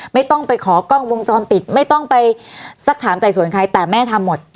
ไม่ต้องไปขอกล้องวงจรปิดไม่ต้องไปสักถามไต่สวนใครแต่แม่ทำหมด